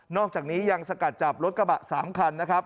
อกจากนี้ยังสกัดจับรถกระบะ๓คันนะครับ